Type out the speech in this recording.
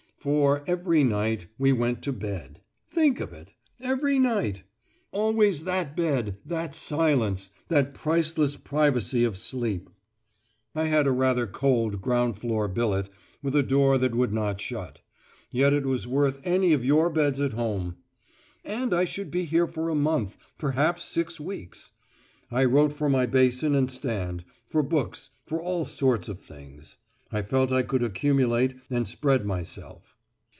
For, every night we went to bed! Think of it! Every night! Always that bed, that silence, that priceless privacy of sleep! I had a rather cold ground floor billet with a door that would not shut; yet it was worth any of your beds at home! And I should be here for a month, perhaps six weeks! I wrote for my basin and stand, for books, for all sorts of things. I felt I could accumulate, and spread myself.